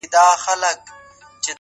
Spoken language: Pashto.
چي دا مي څرنگه او چاته سجده وکړه;